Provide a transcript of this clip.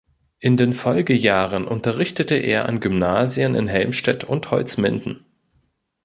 In den Folgejahren unterrichtete er an Gymnasien in Helmstedt und Holzminden.